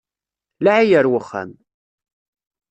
Laɛi ar wexxam!